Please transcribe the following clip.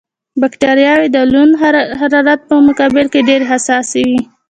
بکټریاوې د لوند حرارت په مقابل کې ډېرې حساسې وي.